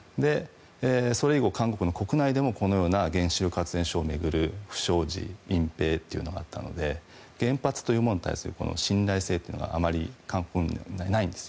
それ以後、韓国の国内でもこのような原子力発電所を巡る不祥事、隠ぺいというのがあったので原発というものに対する信頼性があまり韓国国民にはないんです。